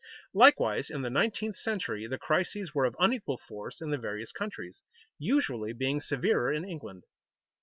Likewise in the nineteenth century, the crises were of unequal force in the various countries, usually being severer in England.